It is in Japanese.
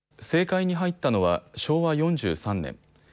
政界に入ったのは昭和４３年。